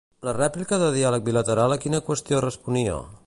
La rèplica de diàleg bilateral a quina qüestió responia?